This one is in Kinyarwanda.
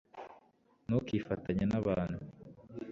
ntukifatanye nabantu